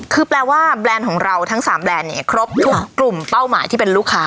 คือแปลว่าแบรนด์ของเราทั้ง๓แบรนด์เนี่ยครบทุกกลุ่มเป้าหมายที่เป็นลูกค้า